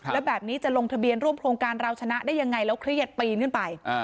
แล้วแบบนี้จะลงทะเบียนร่วมโครงการเราชนะได้ยังไงแล้วเครียดปีนขึ้นไป